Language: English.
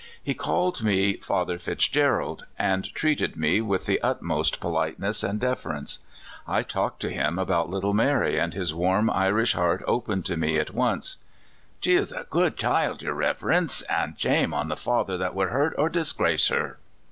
He called me " Father Fitz gerald," and treated me with the utmost polite ness and deference. I talked to him about little Mary, and his warm Irish heart opened to me at once *' She is a good child, your Riverence, and shame on the father that woukl hurt or disgrace her!